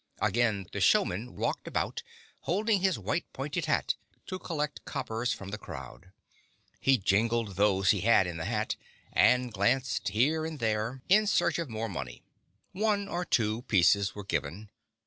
Again the showman walked about, holding his white, pointed hat to collect coppers from the crowd. He jingled those he had in the hat, and glanced here and 15 GYPSY, THE TALKING DOG there in search of more money. One or two pieces were given.